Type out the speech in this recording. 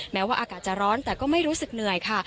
แม้ว่าอากาศจะร้อนแต่ก็ไม่รู้สึกเหนื่อยค่ะ